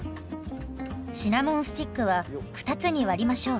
シナモンスティックは２つに割りましょう。